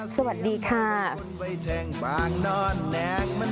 สวัสดีค่ะ